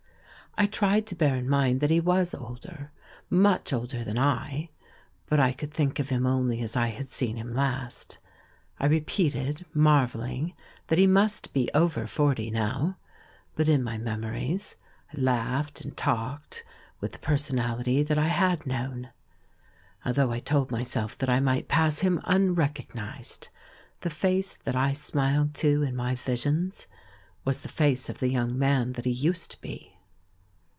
I tried to bear in mind that he was older — much older than I — but I could think of him only as I had seen him last. I repeated, marvelling, that he must be over forty now, but in my memories I laughed and talked with the personality that I had knoMTi. Although I told myself that I might pass him unrecognised, the face that I smiled to in my visions was the face of the young man that he used to be.